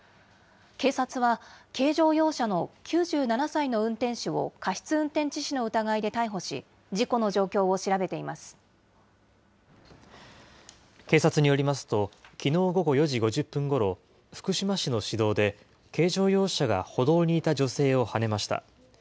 警察は、軽乗用車の９７歳の運転手を過失運転致死の疑いで逮捕し、事故の警察によりますと、きのう午後４時５０分ごろ、福島市の市道で、軽乗用車が歩道にいた女性をはねました。